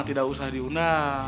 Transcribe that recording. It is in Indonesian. tidak usah diunang